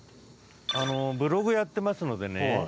あのブログやってますのでね